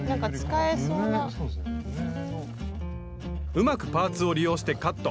うまくパーツを利用してカット。